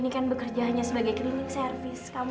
aku ini kan bekerja hanya sebagai klinik servis